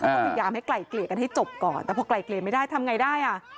เขาต้องพยายามให้กล่ายเกลี่ยกันให้จบก่อนแต่พอกล่ายเกลี่ยไม่ได้ทำไงได้อ่ะ